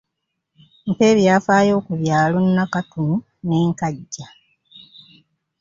Mpa ebyafaayo ku byalo Nakatu ne Nkajja.